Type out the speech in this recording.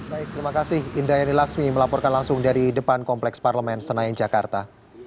baik terima kasih indah yani laksmi melaporkan langsung dari depan kompleks parlemen senayan jakarta